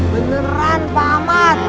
beneran pak mat